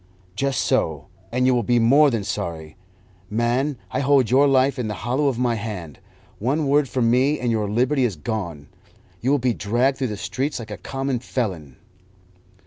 "Just so, and you will be more than sorry. Man, I hold your life in the hollow of my hand. One word from me, and your liberty is gone; you will be dragged through the streets like a common felon."